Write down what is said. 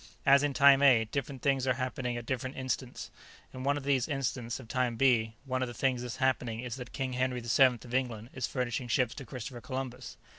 As in Time A, different things are happening at different instants. In one of these instants of Time B, one of the things that's happening is that King Henry the Seventh of England is furnishing ships to Christopher Columbus."